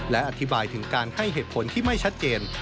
และอธิบายถึงการให้เหตุผลที่ไม่ชัดเจน